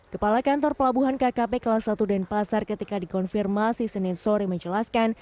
kepala kantor pelabuhan kkp kelas satu denpasar ketika dikonfirmasi senin sore menjelaskan